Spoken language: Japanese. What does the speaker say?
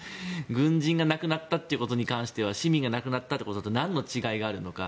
軍人が亡くなったということに関しては市民が亡くなったことと何の違いがあるのか。